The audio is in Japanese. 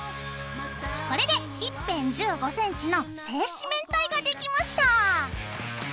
これで一辺１５センチの正四面体ができました。